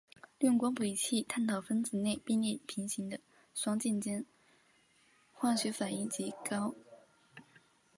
利用光谱仪器探讨分子内并列平行双键间之跨环化学反应及高共轭效应。